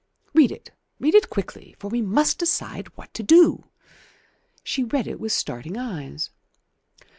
Read it; read it quickly; for we must decide what to do." She read it with starting eyes.